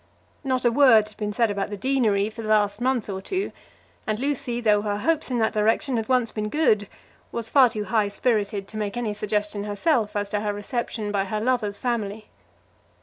Not a word had been said about the deanery for the last month or two, and Lucy, though her hopes in that direction had once been good, was far too high spirited to make any suggestion herself as to her reception by her lover's family.